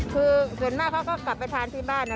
คือส่วนมากเขาก็กลับไปทานที่บ้านนะ